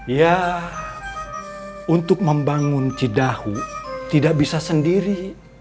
ya untuk membangun cidahu tidak bisa sendiri